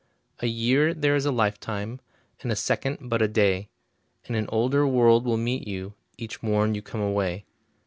A year there is a lifetime, And a second but a day, And an older world will meet you Each morn you come away.